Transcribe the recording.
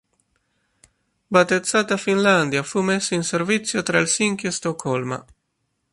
Battezzata "Finlandia", fu messa in servizio tra Helsinki e Stoccolma.